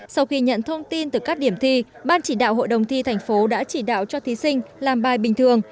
sau khi nhận thông tin từ các điểm thi ban chỉ đạo hội đồng thi thành phố đã chỉ đạo cho thí sinh làm bài bình thường